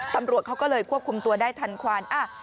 ตำรวจเขาก็เลยควบคุมตัวได้ทันควัน